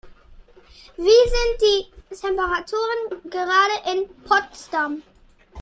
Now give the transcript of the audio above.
Wie sind die Temperaturen gerade in Potsdam?